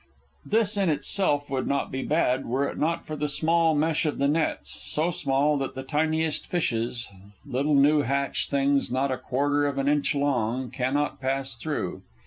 This in itself would not be bad, were it not for the small mesh of the nets, so small that the tiniest fishes, little new hatched things not a quarter of an inch long, cannot pass through.